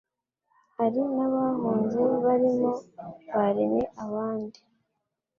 hari n'abahunze barimo ba René Abandi,